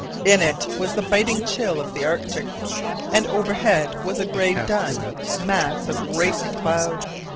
In it was the biting chill of the Arctic, and overhead was a gray dun mass of racing cloud.